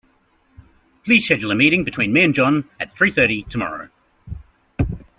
Please schedule a meeting between me and John at three thirty tomorrow.